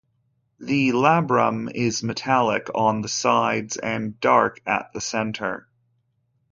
The labrum is metallic on the sides and dark at the centre.